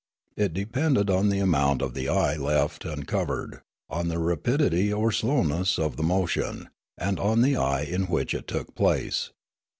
It depended on the amount of the eye left uncovered, on the rapidity or slowness of the mo tion, and on the eye in which it took place.